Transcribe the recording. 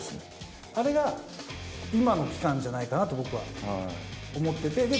あれが今の期間じゃないかなと僕は思っていて。